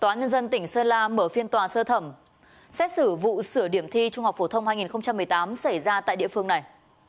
tổng thống kế hoạch tòa nhân dân tỉnh sơn la mở phiên tòa sơ thẩm xét xử vụ sửa điểm thi trung học phổ thông hai nghìn một mươi tám xảy ra tại địa phương này